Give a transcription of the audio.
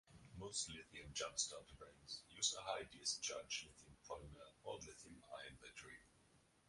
Most lithium jump starter brands use a high discharge lithium polymer or lithium-ion battery.